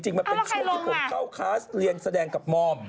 มันเป็นช่วงที่ผมเข้าคลาสเรียนแสดงกับมอม